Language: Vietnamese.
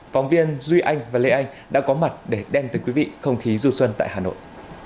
phóng viên duy anh và lê anh đã có mặt để đem tới quý vị không khí du xuân tại hà nội